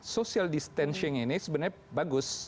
social distancing ini sebenarnya bagus